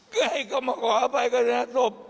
ก็ให้เขามาขออภัยกับท่านท่านทรพ